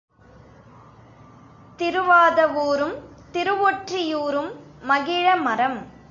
திருவாதவூரும் திருவொற்றியூரும் மகிழமரம்.